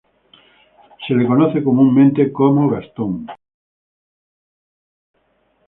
Es comúnmente conocido como Gaston.